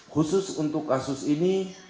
khusus untuk kasus ini